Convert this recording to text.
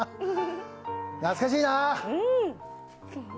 懐かしいなぁ。